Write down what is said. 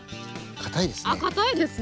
あかたいですね！